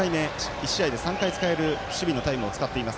１試合で３回使える守備のタイムを使っています。